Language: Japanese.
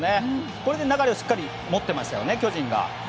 これで流れをしっかりと持っていきましたよね、巨人が。